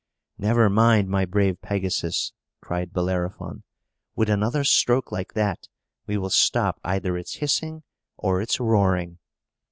"Never mind, my brave Pegasus!" cried Bellerophon. "With another stroke like that, we will stop either its hissing or its roaring."